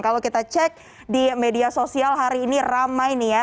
kalau kita cek di media sosial hari ini ramai nih ya